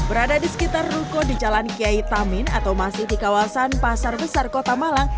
berada di sekitar ruko di jalan kiai tamin atau masih di kawasan pasar besar kota malang